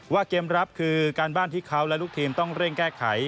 เกมรับคือการบ้านที่เขาและลูกทีมต้องเร่งแก้ไข